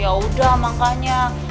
ya udah makanya